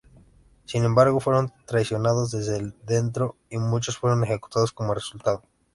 Sin embargo, fueron traicionados desde dentro, y muchos fueron ejecutados como resultado.